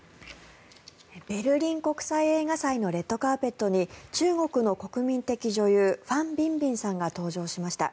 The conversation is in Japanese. ベルリン国際映画祭のレッドカーペットに中国の国民的女優ファン・ビンビンさんが登場しました。